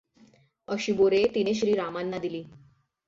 अशी बोरे तिने श्री रामांना दिली.